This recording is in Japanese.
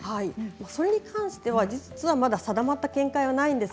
それに関しては実はまだ定まった見解はありません。